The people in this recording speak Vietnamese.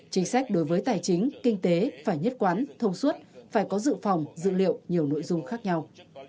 chính sách đối với tài chính kinh tế phải nhất quán thông suốt phải có dự phòng dữ liệu nhiều nội dung khác nhau